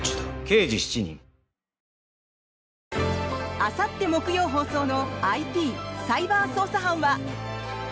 あさって木曜放送の「ＩＰサイバー捜査班」は。